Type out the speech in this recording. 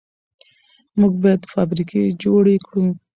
موږ باید فابریکې جوړې کړو.